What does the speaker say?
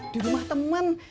di rumah temen